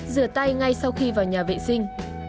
rửa tay ngay sau khi vào nhà vệ sinh